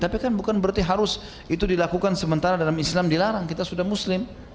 tapi kan bukan berarti harus itu dilakukan sementara dalam islam dilarang kita sudah muslim